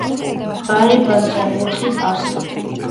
ბარი-ბარსა, თოხი-ტარსა